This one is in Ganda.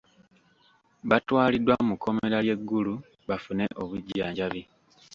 Batwaliddwa mu kkomera ly'e Gulu bafune obujjanjabi.